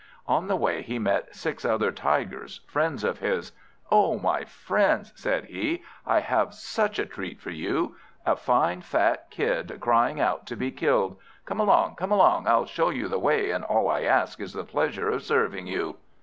On the way, he met six other Tigers, friends of his. "Oh my friends!" said he, "I have such a treat for you! A fine fat Kid, crying out to be killed! Come along, come along, I'll show you the way, and all I ask is the pleasure of serving you."